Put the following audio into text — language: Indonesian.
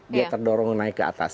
dia terdorong naik ke atas